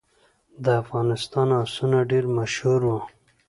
د افغانستان آسونه ډیر مشهور وو